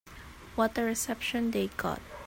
What a reception they got.